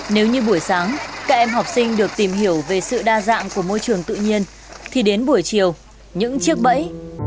nếu như buổi sáng các em học sinh được tìm hiểu về sự đa dạng của môi trường tự nhiên thì đến buổi chiều những chiếc bẫy